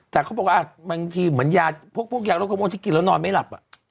แต่เขาบอกว่าบางทีเหมือนยาพวกยาโรคกระมวลที่กินแล้วนอนไม่หลับ